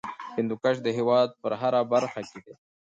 هندوکش د هېواد په هره برخه کې دی.